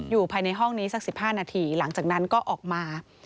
อยู่ในห้องนี้สัก๑๕นาทีหลังจากนั้นก็ออกมา